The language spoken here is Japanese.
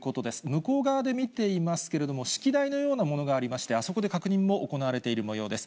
向こう側で見ていますけれども、式台のようなものがありまして、あそこで確認も行われているもようです。